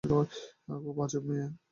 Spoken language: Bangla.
খুব আজব মেয়ে।